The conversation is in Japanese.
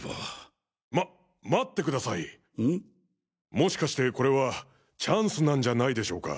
もしかしてこれはチャンスなんじゃないでしょうか。